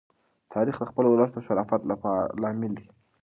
تاریخ د خپل ولس د شرافت لامل دی.